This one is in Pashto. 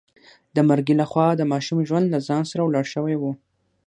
د مرګي لخوا د ماشوم ژوند له ځان سره وړل شوی و.